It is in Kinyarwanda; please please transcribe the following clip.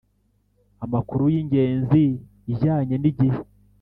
Amakuru y ingenzi ijyanye n igihe